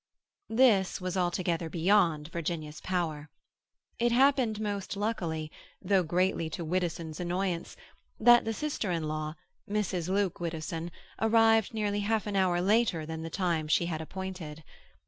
This was altogether beyond Virginia's power. It happened most luckily, though greatly to Widdowson's annoyance, that the sister in law, Mrs. Luke Widdowson, arrived nearly half an hour later than the time she had appointed.